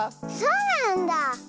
そうなんだ。